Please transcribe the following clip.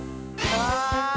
わあ。